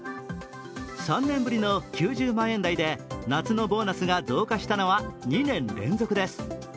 ３年ぶりの９０万円台で夏のボーナスが増加したのは２年連続です。